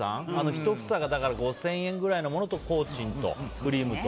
１房が５０００円ぐらいのものと工賃とクリームと。